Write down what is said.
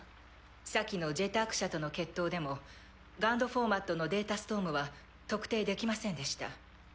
先の「ジェターク社」との決闘でもＧＵＮＤフォーマットのデータストームは特定できませんでした。